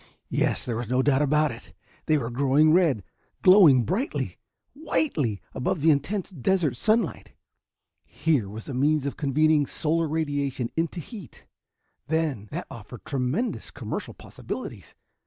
Yes, there was no doubt about it! They were growing red, glowing brightly, whitely, above the intense desert sunlight. Here was a means of convening solar radiation into heat, then, that offered tremendous commercial possibilities!